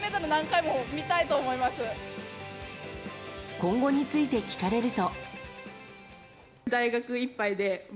今後について聞かれると。